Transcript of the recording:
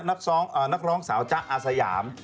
ล่าสุดนักร้องสาวจ๊ะสย่าร์ม